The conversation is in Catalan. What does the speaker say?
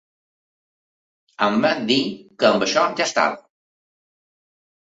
Em van dir que amb això ja estava.